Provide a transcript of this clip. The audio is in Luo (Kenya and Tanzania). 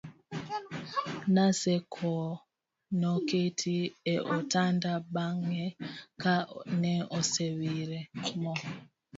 Naseko noketi e otanda bang'e ka ne osewire mo